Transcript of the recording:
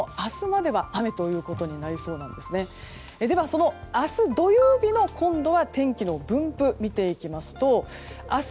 では、明日土曜日の天気の分布を見ていきますと明日、